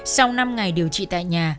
sau năm ngày điều trị tại nhà